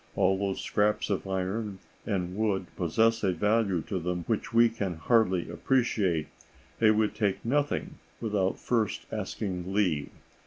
Although scraps of iron and wood possess a value to them which we can hardly appreciate, they would take nothing without first asking leave.